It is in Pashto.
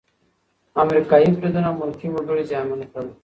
امریکايي بریدونه ملکي وګړي زیانمن کړل.